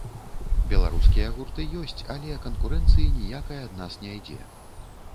Беларускія гурты ёсць, але канкурэнцыі ніякай ад нас не ідзе.